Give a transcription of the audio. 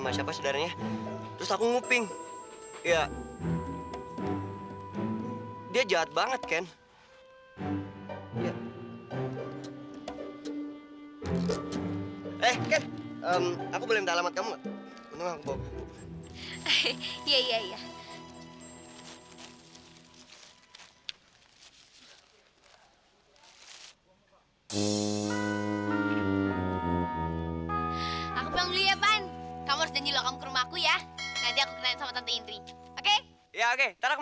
aku mau berukus cnal caller